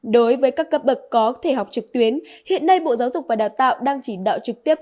đối với các cấp bậc có thể học trực tuyến hiện nay bộ giáo dục và đào tạo đang chỉ đạo trực tiếp